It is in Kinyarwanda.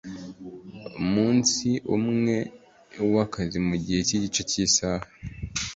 munsi umwe w akazi mu gihe cy igice cy isaha